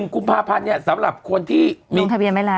๑กุมภาพันธ์เนี่ยสำหรับคนที่ลงทะเบียนไม่ร้าน